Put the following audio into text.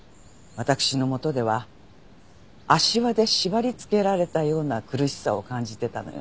私のもとでは足環で縛りつけられたような苦しさを感じてたのよね。